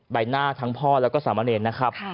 ใบหน้าทั้งพ่อแล้วก็สามะเนรนะครับ